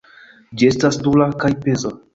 Ĝi estas dura kaj peza.